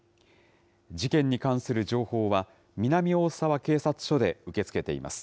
事件に関する情報は、南大沢警察署で受け付けています。